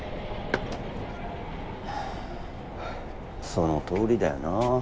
そのとおりだよなあ。